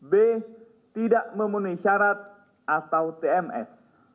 b tidak memenuhi syarat atau tms